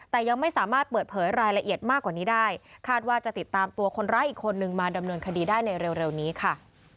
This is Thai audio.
แต่ยังไม่สามารถเปิดเผยรายละเอียดมากกว่านี้ได้คาดว่าจะติดตามตัวคนร้ายอีกคนนึงมาดำเนินคดีได้ในเร็วนี้ค่ะ